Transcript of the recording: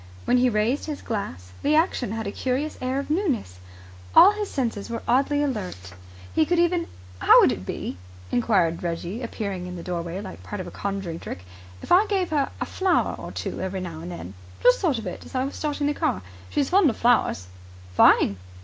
When he raised his glass the action had a curious air of newness. All his senses were oddly alert. He could even "How would it be," enquired Reggie, appearing in the doorway like part of a conjuring trick, "if I gave her a flower or two every now and then? Just thought of it as I was starting the car. She's fond of flowers." "Fine!"